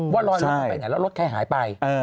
ว่ารอลุงไปแล้วรถแค่หายไป